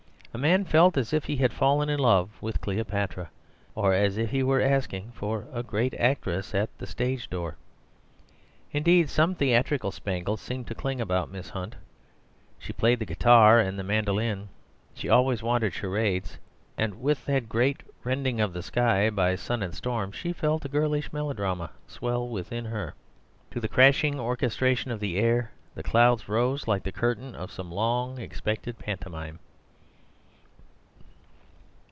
A man felt as if he had fallen in love with Cleopatra, or as if he were asking for a great actress at the stage door. Indeed, some theatrical spangles seemed to cling about Miss Hunt; she played the guitar and the mandoline; she always wanted charades; and with that great rending of the sky by sun and storm, she felt a girlish melodrama swell again within her. To the crashing orchestration of the air the clouds rose like the curtain of some long expected pantomime.